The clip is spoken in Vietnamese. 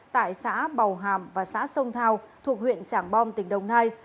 tại xã bầu hàm và xã sông thào thuộc huyện trảng bom tỉnh đồng nai